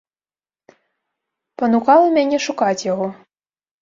Панукала мяне шукаць яго.